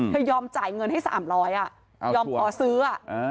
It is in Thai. เธอยอมจ่ายเงินให้สามร้อยที่ยอมขอซื้อ